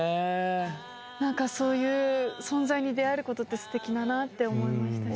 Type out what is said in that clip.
なんかそういう存在に出会える事って素敵だなって思いましたし。